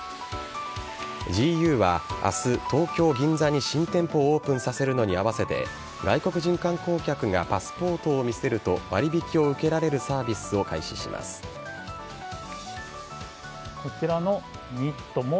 ＧＵは明日、東京・銀座に新店舗オープンさせるのに合わせて外国人観光客がパスポートを見せると割引を受けられるサービスをこちらのニットも